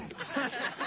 ハハハハ。